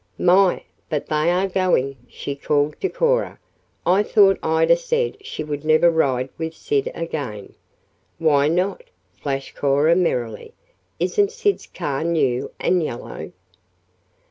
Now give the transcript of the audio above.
"My, but they are going!" she called to Cora. "I thought Ida said she would never ride with Sid again." "Why not?" flashed Cora merrily. "Isn't Sid's car new and yellow?"